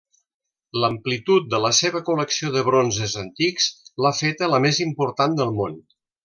L'amplitud de la seva col·lecció de bronzes antics l'ha feta la més important del món.